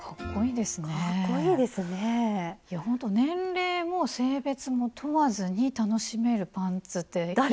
いやほんと年齢も性別も問わずに楽しめるパンツっていいですね。